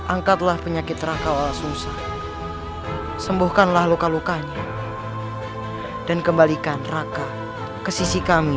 angkatlah penyakit raka olah sumsa sembuhkanlah luka lukanya dan kembalikan raka ke sisi kami